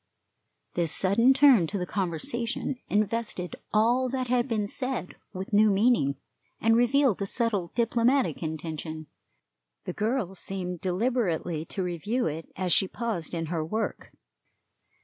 This sudden turn to the conversation invested all that had been said with new meaning, and revealed a subtle diplomatic intention. The girl seemed deliberately to review it as she paused in her work.